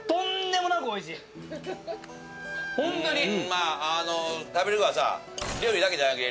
まああの食べログはさ料理だけじゃないわけ。